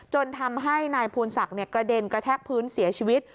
จนทำให้นายภูนศักดิ์กระเด็นกระแทกพื้นเสียชีวิต